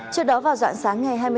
trước đó vào dọn sáng ngày hai mươi sáu